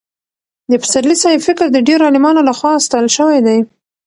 د پسرلي صاحب فکر د ډېرو عالمانو له خوا ستایل شوی دی.